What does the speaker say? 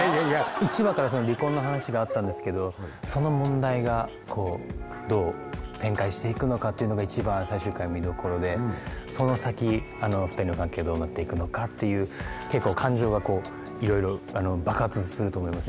１話から離婚の話があったんですけどその問題がどう展開していくのかっていうのが一番最終回見どころでその先２人の関係どうなっていくのかっていう結構感情がいろいろ爆発すると思います